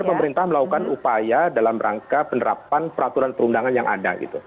pemerintah melakukan upaya dalam rangka penerapan peraturan perundangan yang ada